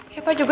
siapa juga tuh